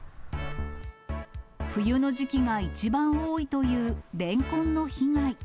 冬の時期が一番多いというレンコンの被害。